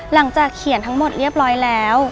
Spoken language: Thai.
หลังจากเขียนทั้งหมดเรียบร้อยแล้ว